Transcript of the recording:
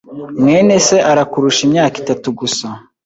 mwene se arakurusha imyaka itatu gusa.